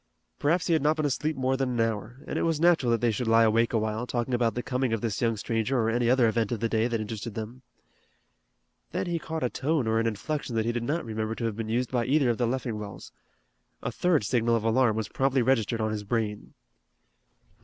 Perhaps he had not been asleep more than an hour, and it was natural that they should lie awake a while, talking about the coming of this young stranger or any other event of the day that interested them. Then he caught a tone or an inflection that he did not remember to have been used by either of the Leffingwells. A third signal of alarm was promptly registered on his brain.